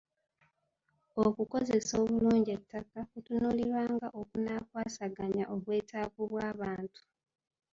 Okukozesa obulungi ettaka, kutunuulirwa nga okunaakwasaganya obwetaavu bw'abantu.